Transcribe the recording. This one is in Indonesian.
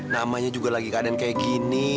namanya juga lagi keadaan kayak gini